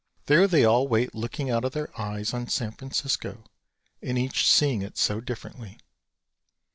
There they all wait looking out of their eyes on San Francisco and each seeing it so differently.